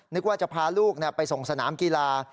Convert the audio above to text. นึกว่าจะพาลูกไปส่งสนามกีฬา